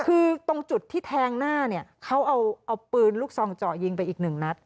คือตรงจุดที่แทงหน้าเนี่ยเขาเอาปืนลูกซองเจาะยิงไปอีกหนึ่งนัด